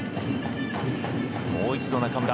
もう一度、中村。